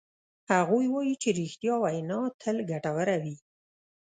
هغوی وایي چې ریښتیا وینا تل ګټوره وی